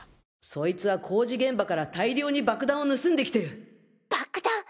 そいつは工事現場から大量に爆弾を盗んで来てる。爆弾！？